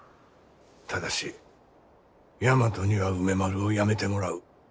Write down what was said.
ただし大和には梅丸をやめてもらう。